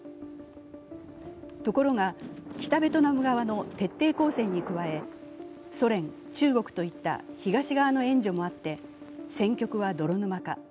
ところが北ベトナム側の徹底抗戦に加え、ソ連・中国といった東側の援助もあって戦局は泥沼化。